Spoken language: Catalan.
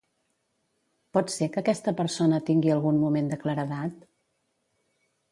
Pot ser que aquesta persona tingui algun moment de claredat?